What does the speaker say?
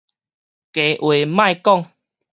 加話莫講